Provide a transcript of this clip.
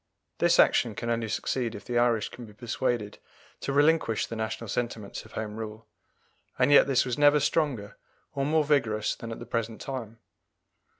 This action can only succeed if the Irish can be persuaded to relinquish the national sentiments of Home Rule; and yet this was never stronger or more vigorous than at the present time.